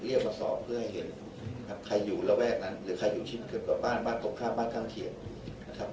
มาสอบเพื่อให้เห็นใครอยู่ระแวกนั้นหรือใครอยู่ชิ้นเกือบบ้านบ้านตรงข้ามบ้านข้างเคียงนะครับ